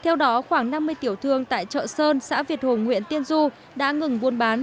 theo đó khoảng năm mươi tiểu thương tại chợ sơn xã việt hùng huyện tiên du đã ngừng buôn bán